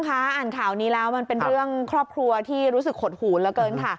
คะอ่านข่าวนี้แล้วมันเป็นเรื่องครอบครัวที่รู้สึกหดหูเหลือเกินค่ะ